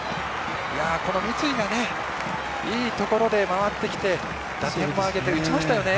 この三井がいいところで回ってきて打点も上げて打ちましたよね。